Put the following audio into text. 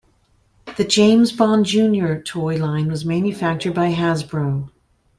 The "James Bond Junior" toy line was manufactured by Hasbro.